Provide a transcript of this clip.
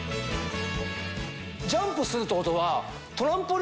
ジャンプするってことは。